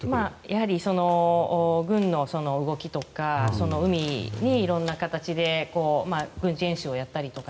やはり軍の動きとか海に色んな形で軍事演習をやったりとか。